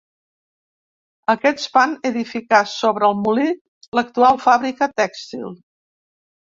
Aquests van edificar, sobre el molí, l'actual fàbrica tèxtil.